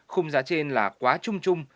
khung giá trên là quá trung trung